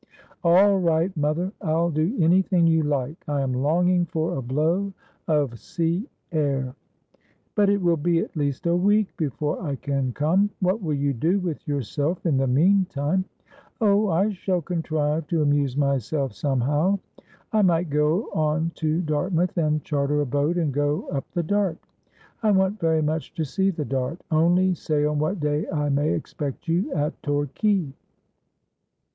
' All right, mother ; I'll do anything you like. I am longing for a blow of sea air.' ' But it will be at least a week before I can come. What will you do with yourself in the meantime ?'' Oh, I shall contrive to amuse myself somehow. I might go on to Dartmouth, and charter a boat, and go up the Dart. I want very much to see the Dart. Only say on what day I may expect you at Torquay.'